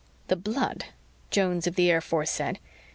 "The blood," Jones of the Air Force said.